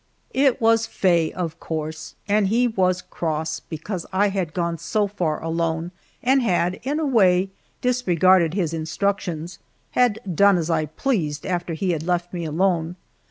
It was Faye, of course, and he was cross because I had gone so far alone, and had, in a way, disregarded his instructions had done as I pleased after he had left me alone.